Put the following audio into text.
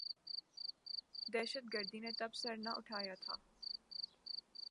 دہشت گردی نے تب سر نہ اٹھایا تھا۔